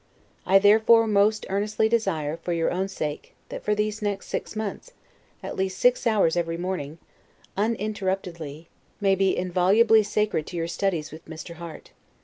I therefore most earnestly desire, for your own sake, that for these next six months, at least six hours every morning, uninterruptedly, may be inviolably sacred to your studies with Mr. Harte.